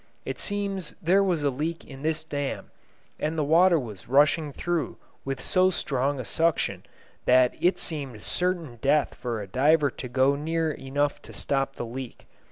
It seems there was a leak in this dam, and the water was rushing through with so strong a suction that it seemed certain death for a diver to go near enough to stop the leak.